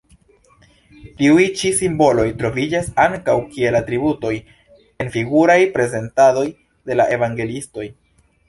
Tiuj ĉi simboloj troviĝas ankaŭ kiel atributoj en figuraj prezentadoj de la evangeliistoj.